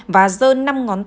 và dơ năm ngón tư